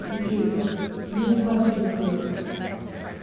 Miss Westerfield.